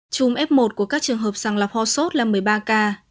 chung f một của các trường hợp sàng lọc ho sốt là một mươi ba ca